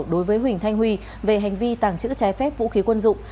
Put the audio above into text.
đối với huỳnh thanh huy về hành vi tàng trữ trái phép vũ khí quân dụng